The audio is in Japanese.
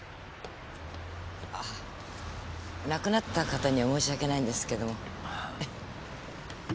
あ亡くなった方には申し訳ないんですけども。